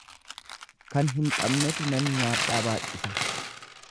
Kan hin qabnetu nan nyaadhaa baay'isa.